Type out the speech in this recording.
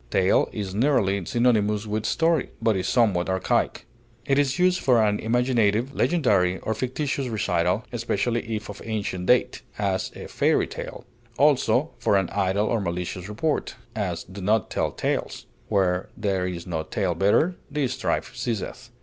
Tale is nearly synonymous with story, but is somewhat archaic; it is used for an imaginative, legendary, or fictitious recital, especially if of ancient date; as, a fairy tale; also, for an idle or malicious report; as, do not tell tales; "where there is no tale bearer, the strife ceaseth."